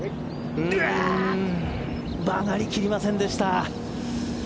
曲がり切りませんでした。